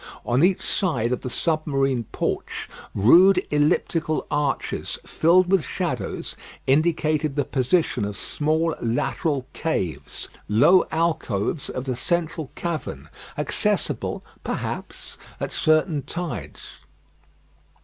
On each side of the submarine porch, rude elliptical arches, filled with shallows, indicated the position of small lateral caves, low alcoves of the central cavern, accessible, perhaps, at certain tides.